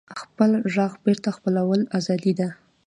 خپل غږ بېرته خپلول ازادي ده.